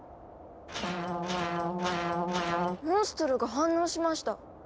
モンストロが反応しました。